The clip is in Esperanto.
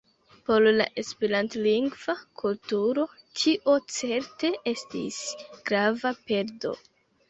Por la Esperantlingva kulturo tio certe estis grava perdo.